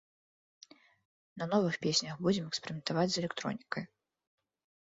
На новых песнях будзем эксперыментаваць з электронікай.